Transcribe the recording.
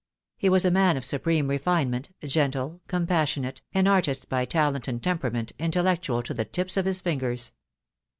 He was a man of supreme refinement, gentle, compassionate, an artist by talent and temperament, intellectual to the tips of his fingers.